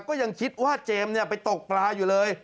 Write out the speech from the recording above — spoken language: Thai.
ก็ยังคิดว่าเจมส์ไปตกปลาอยู่เลย